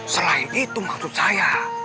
selain itu maksud saya